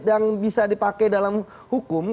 yang bisa dipakai dalam hukum